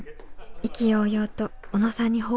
意気揚々と小野さんに報告です。